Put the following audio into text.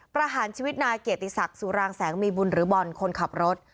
ประหารชีวิตนายเกียรติศักดิ์สุรางแสงมีบุญหรือบอลคนขับรถ